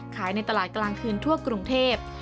ในตลาดกลางคืนทั่วกรุงเทพ